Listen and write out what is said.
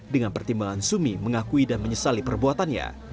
dengan pertimbangan zumi mengakui dan menyesali perbuatannya